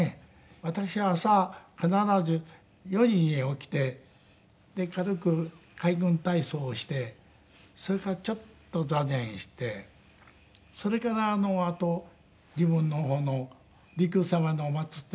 私は朝必ず４時に起きて軽く海軍体操をしてそれからちょっと座禅してそれからあと自分の方の利休様のまつってあります